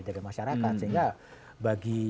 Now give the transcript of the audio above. dari masyarakat sehingga bagi